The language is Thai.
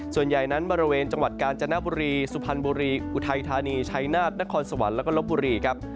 ส่วนใหญ่นั้นบริเวณจังหวัดกาญจนบุรีสุพรรณบุรีอุทัยธานีชัยนาฏนครสวรรค์แล้วก็ลบบุรีครับ